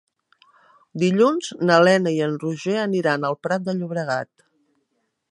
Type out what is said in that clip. Dilluns na Lena i en Roger aniran al Prat de Llobregat.